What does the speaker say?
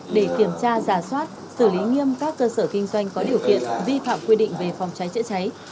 để kiểm tra giả soát xử lý nghiêm các cơ sở kinh doanh có điều kiện vi phạm quy định về phòng cháy chữa cháy